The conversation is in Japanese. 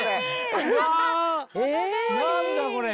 何だこれ！